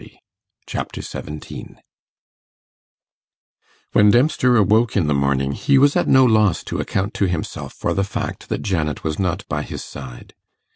Chapter 17 When Dempster awoke in the morning, he was at no loss to account to himself for the fact that Janet was not by his side.